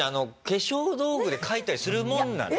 化粧道具で書いたりするものなの？